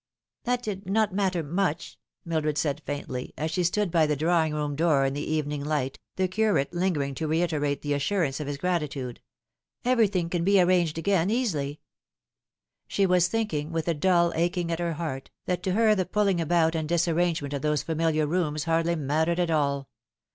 " That did not matter much," Mildred said faintly, as she stood by the drawing room door in the evening light, the curate lingering to reiterate the assurance of his gratitude. " Every thing cun be arranged again easily." She was thinking, with a dull aching at her heart, that to her the pulling about and disarrangement of those familiar rooms hardly mattered at all.